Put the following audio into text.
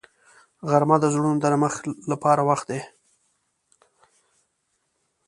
غرمه د زړونو د نرمښت لپاره وخت دی